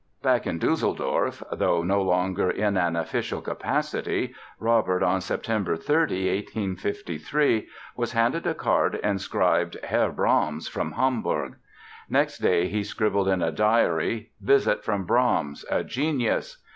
Back in Düsseldorf, though no longer in an official capacity, Robert on Sept. 30, 1853, was handed a card inscribed "Herr Brahms from Hamburg". Next day he scribbled in a diary: "Visit from Brahms (a genius)".